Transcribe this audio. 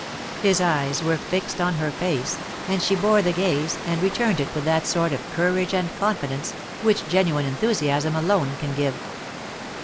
His eyes were fixed on her face, and she bore the gaze, and returned it with that sort of courage and confidence, which genuine enthusiasm alone can give.